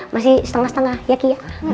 masih setengah setengah ya ki ya